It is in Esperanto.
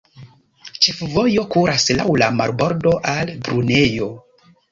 Ĉefvojo kuras laŭ la marbordo al Brunejo.